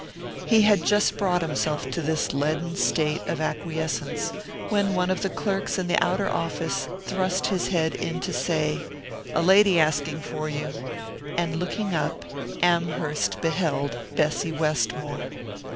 He had just brought himself to this leaden state of acquiescence when one of the clerks in the outer office thrust his head in to say: "A lady asking for you " and looking up, Amherst beheld Bessy Westmore.